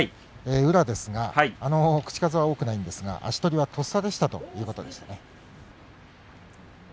宇良ですが口かずは多くないですけども足取りはとっさでしたという話です。